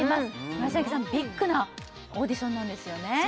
村重さんビッグなオーディションなんですよね